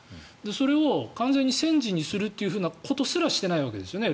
それを完全に戦時にするということすらしていないわけですよね。